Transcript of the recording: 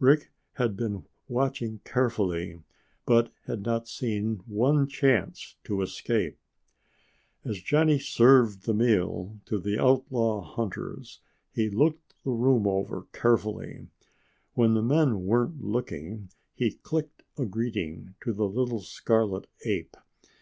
Rick had been watching carefully but had not seen one chance to escape. As Johnny served the meal to the outlaw hunters, he looked the room over carefully. When the men weren't looking, he clicked a greeting to the little scarlet ape.